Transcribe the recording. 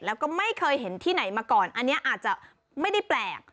แล้วก็ไม่เคยเห็นที่ไหนมาก่อนอันนี้อาจจะไม่ได้แปลก